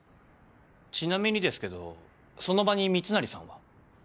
ちなみにですけどその場に密成さんは？